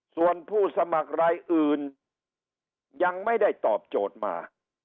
ส่วนผู้สมัครรายอื่นยังไม่ได้ตอบโจทย์มา